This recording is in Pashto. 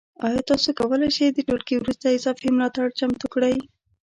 ایا تاسو کولی شئ د ټولګي وروسته اضافي ملاتړ چمتو کړئ؟